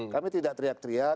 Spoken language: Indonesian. kami tidak teriak teriak